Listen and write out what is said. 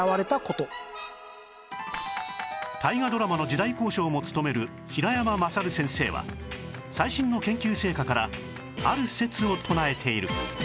大河ドラマの時代考証も務める平山優先生は最新の研究成果からある説を唱えている